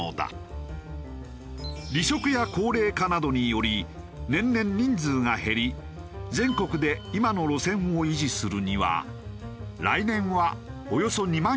離職や高齢化などにより年々人数が減り全国で今の路線を維持するには来年はおよそ２万１０００人